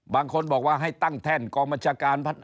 บางคนบอกว่าให้ตั้งแท่นกองบัญชาการ